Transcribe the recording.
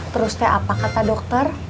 terus kayak apa kata dokter